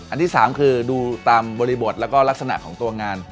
ที่๓คือดูตามบริบทแล้วก็ลักษณะของตัวงาน